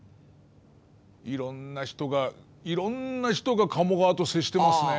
いろんな人がいろんな人が鴨川と接してますね。